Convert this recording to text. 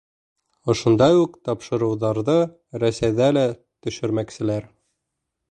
Ошондай уҡ тапшырыуҙарҙы Рәсәйҙә лә төшөрмәкселәр.